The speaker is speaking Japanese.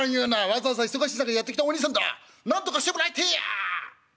わざわざ忙しい中やって来たおにいさんだなんとかしてもらいてえや』。